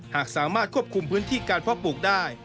หากสามารถควบคุมพื้นที่การเพาะปลูกได้